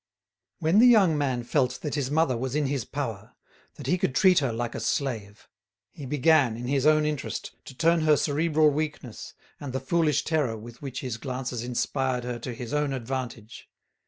When the young man felt that his mother was in his power, that he could treat her like a slave, he began, in his own interest, to turn her cerebral weakness and the foolish terror with which his glances inspired her to his own advantage.